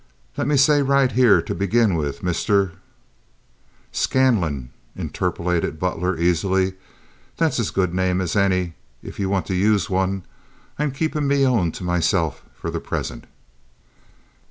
"Let me say right here, to begin with, Mr.—" "Scanlon," interpolated Butler, easily; "that's as good a name as any if you want to use one. I'm keepin' me own to meself for the present."